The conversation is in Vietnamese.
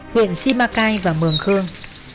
huyện semakai và mường khương